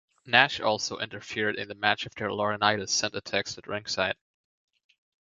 Nash also interfered in the match after Laurinaitis sent a text at ringside.